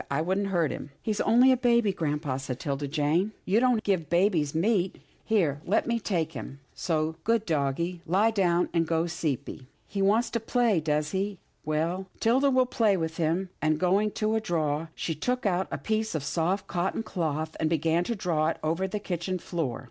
I wouldn't hurt him." " He's only a baby, grampa," said 'Tilda Jane. THE MONEYED PUP 113 " You don't give babies meat. Here — let me take him. So, so good doggie, lie down and go seepy. He wants to play, does he — well, 'Tilda will play with him," and, going to a drawer, she took out a piece of soft cotton cloth, and began to draw it over the kitchen floor.